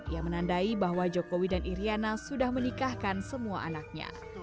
ia menandai bahwa jokowi dan iryana sudah menikahkan semua anaknya